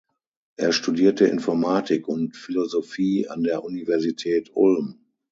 Er studierte Informatik und Philosophie an der Universität Ulm.